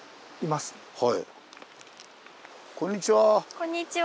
こんにちは！